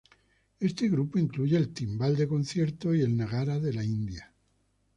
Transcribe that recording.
Este grupo incluye el timbal de concierto y el nagara de la India.